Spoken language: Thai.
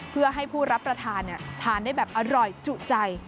เพื่อให้ผู้รับประทานทานได้แบบอร่อยจุใจ